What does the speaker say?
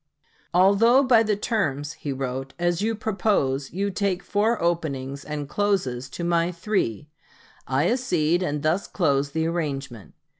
"Although by the terms," he wrote, "as you propose, you take four openings and closes to my three, I accede and thus close the arrangement."